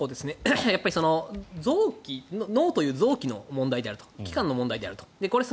臓器脳という臓器の問題であると器官の問題である。